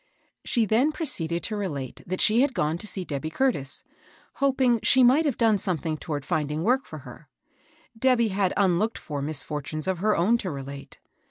She then proceeded to relate that she had gone to see Debby Curtis, hoping she might have done something toward finding work for her. Debby GOOD ANGELS. ^ 183 had unlooked for misfortunes of her own to relate.